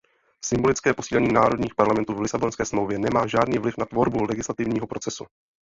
Symbolické posílení národních parlamentů v Lisabonské smlouvě nemá žádný vliv na tvorbu legislativního procesu.